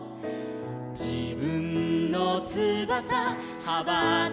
「じぶんのつばさはばたかせて」